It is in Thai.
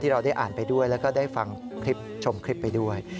เราได้อ่านไปด้วยแล้วก็ได้ฟังคลิปชมคลิปไปด้วย